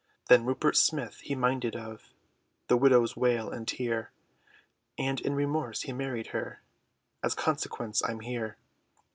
Then Rupert Smith, he minded of The widow's wail, and tear, And in remorse, he married her, As consequence, I'm here!